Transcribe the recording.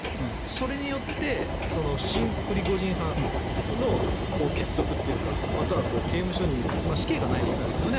それによって親プリゴジン派の結束というかまたは刑務所に死刑がないですよね